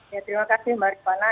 terima kasih mbak arifana